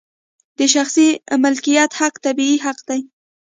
د شخصي مالکیت حق طبیعي حق دی.